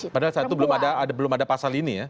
padahal saat itu belum ada pasal ini ya